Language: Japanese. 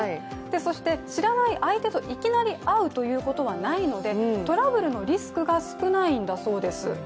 そして知らない相手といきなり会うということがないのでトラブルのリスクが少ないんだそうです。